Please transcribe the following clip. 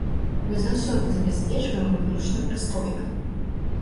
Мы заўсёды забяспечваем выключна прыстойна.